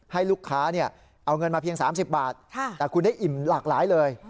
ให้ลูกค้าเนี่ยเอาเงินมาเพียงสามสิบบาทค่ะแต่คุณได้อิ่มหลากหลายเลย